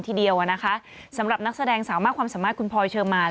ทีเดียวนะคะสำหรับนักแสดงสาวมากความสามารถคุณพลอยเชอร์มาน